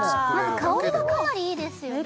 香りもかなりいいですよね